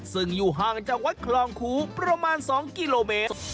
ซึ่งอยู่ห่างจากวัดคลองคูประมาณ๒กิโลเมตร